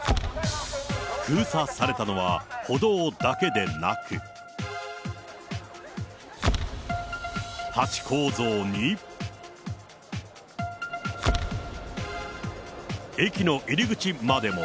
封鎖されたのは歩道だけでなく、ハチ公像に、駅の入り口までも。